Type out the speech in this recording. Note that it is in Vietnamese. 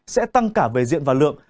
sẽ tăng cả về diện và lượng